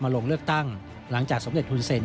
ลงเลือกตั้งหลังจากสมเด็จฮุนเซ็น